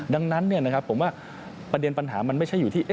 ดังนั้นผมว่าประเด็นปัญหามันไม่ใช่อยู่ที่